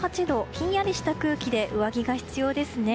ひんやりした空気で上着が必要ですね。